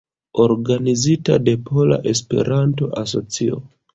Organizita de Pola Esperanto-Asocio.